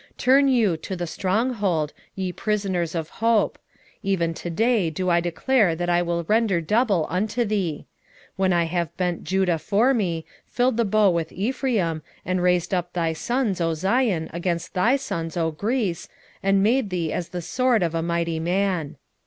9:12 Turn you to the strong hold, ye prisoners of hope: even to day do I declare that I will render double unto thee; 9:13 When I have bent Judah for me, filled the bow with Ephraim, and raised up thy sons, O Zion, against thy sons, O Greece, and made thee as the sword of a mighty man.